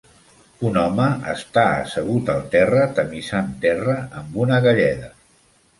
Un home està assegut al terra tamisant terra amb una galleda.